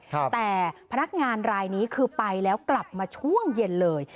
แต่พนักงานรายนี้คือไปแล้วกลับมาช่วงเย็นเลย